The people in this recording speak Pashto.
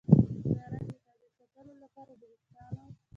د رنګ د تولید ساتلو لپاره د ویښتانو